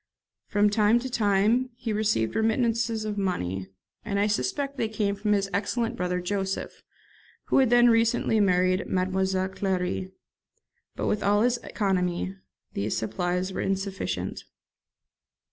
From time to time he received remittances of money, and I suspect they came from his excellent brother Joseph, who had then recently married Mademoiselle Clary; but with all his economy these supplies were insufficient.